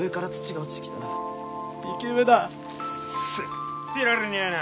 やってられねえな！